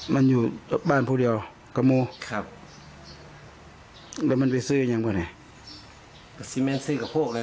มันอยู่บ้านพูดเดียวกระโมครับแล้วมันไปซื้อยังไหมซิเม้นซื้อกับพวกเลย